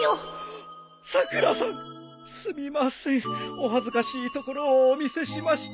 お恥ずかしいところをお見せしました。